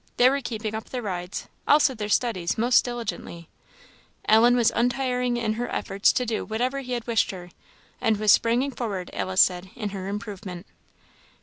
They were keeping up their rides, also their studies, most diligently; Ellen was untiring in her efforts to do whatever he had wished her, and was springing forward, Alice said, in her improvement.